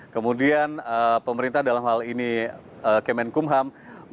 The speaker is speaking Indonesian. kemudian pemerintah dalam hal ini kemenkumham